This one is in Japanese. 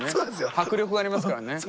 迫力がありますからね。